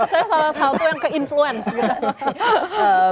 saya salah satu yang ke influence gitu